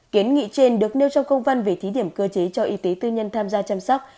kiến nghị trên được nêu trong công văn về thí điểm cơ chế cho y tế tư nhân tham gia chăm sóc